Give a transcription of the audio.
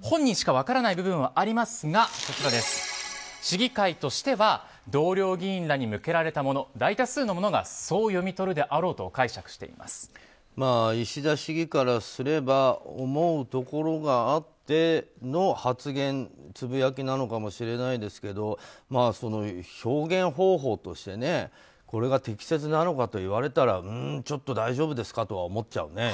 本人しか分からない部分はありますが市議会としては同僚議員らに向けられたもの大多数の者がそう読み取るであろうと石田市議からすれば思うところがあっての発言やつぶやきなのかもしれないですけど表現方法としてこれが適切なのかと言われたらちょっと大丈夫ですかとは思っちゃうね。